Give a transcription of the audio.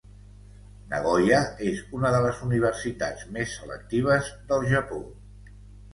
Nagoya és una de les universitats més selectives del Japó.